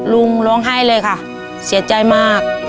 ลุงร้องไห้เลยค่ะเสียใจมาก